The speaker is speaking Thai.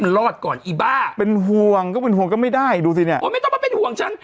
มันรอดก่อนอีบ้าเป็นห่วงก็เป็นห่วงก็ไม่ได้ดูสิเนี่ยโอ้ไม่ต้องมาเป็นห่วงฉัน